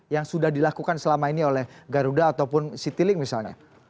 yang sudah dilakukan selama ini oleh garuda ataupun citilink misalnya